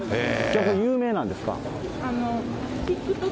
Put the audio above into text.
有名なんですか？